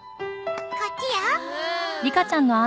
こっちよ。